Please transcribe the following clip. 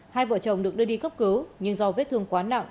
hai vợ chồng được đưa đi cấp cứu nhưng do vết thương quá nặng